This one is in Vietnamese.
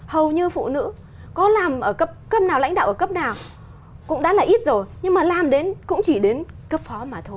hầu như phụ nữ có làm ở cấp cấp nào lãnh đạo ở cấp nào cũng đã là ít rồi nhưng mà làm đến cũng chỉ đến cấp phó mà thôi